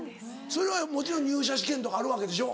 それはもちろん入社試験とかあるわけでしょ？